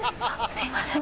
すみません。